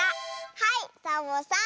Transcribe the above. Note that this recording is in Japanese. はいサボさん。